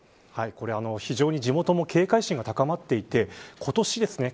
非常に地元も警戒心は高まっていて今年ですね